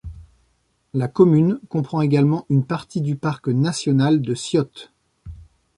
La commune comprend également une partie du parc national de Syöte.